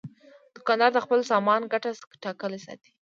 دوکاندار د خپل سامان ګټه ټاکلې ساتي.